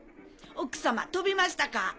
奥様飛びましたか？